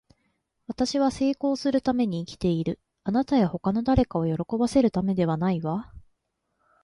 私は成功するために生きている。あなたや他の誰かを喜ばせるためではないわ。